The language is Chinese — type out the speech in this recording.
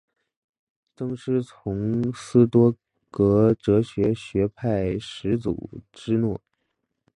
曾师从斯多噶哲学学派始祖芝诺。